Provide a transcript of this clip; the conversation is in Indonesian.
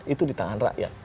itu di tangan rakyat